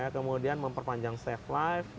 kemudian memperpanjang safe life